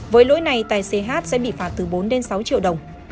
với lỗi này tài xế h sẽ bị phạt từ bốn đến sáu triệu đồng